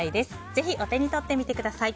ぜひ、お手に取ってみてください。